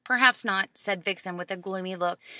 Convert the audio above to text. "Perhaps not," said Vixen with a gloomy look.